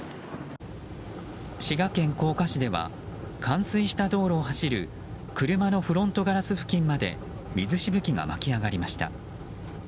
滋賀県甲賀市では冠水した道路を走る車のフロントガラス付近まで水しぶきが巻き上がりました。